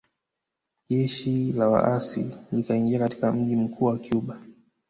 Jeshi la waasi likaingia katika mji mkuu wa Cuba